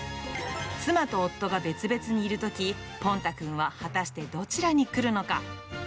妻と夫が別々にいるとき、ぽん太くんは果たしてどちらに来るのか。